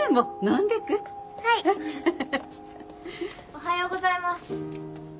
おはようございます。